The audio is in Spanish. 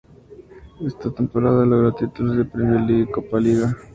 En esta temporada logró los títulos de Premier League y Copa de la Liga.